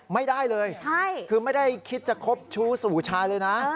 ไม่ได้เลยคือไม่ได้คิดจะคบชู้สู่ชายเลยนะ